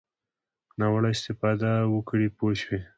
ناوړه استفاده وکړي پوه شوې!.